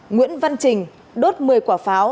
nguyễn văn trình đốt một mươi quả pháo